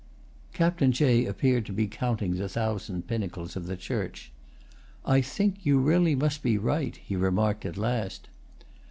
Captain Jay appeared to be counting the thousand pinnacles of the church. "I think you really must be right," he remarked at last.